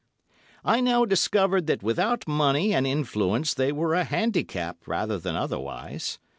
I now discovered that without money and influence they were a handicap rather than otherwise.